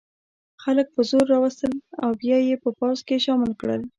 خلک په زور را وستل او بیا یې په پوځ کې شامل کړل.